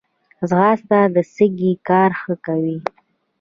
ځغاسته د سږي کار ښه کوي